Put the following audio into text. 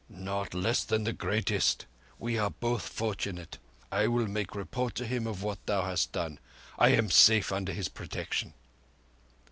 "Not less than the greatest. We are both fortunate! I will make report to him of what thou hast done. I am safe under his protection."